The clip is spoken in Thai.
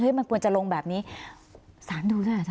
เฮ้ยมันควรจะลงแบบนี้สารดูด้วยค่ะ